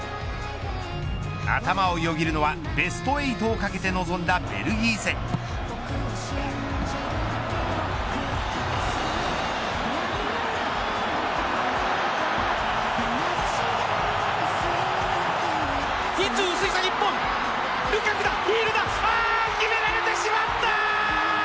頭をよぎるのはベスト８を懸けて臨んだベルギー戦。決められてしまった。